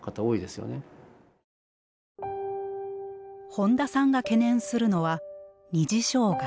本田さんが懸念するのは二次障害。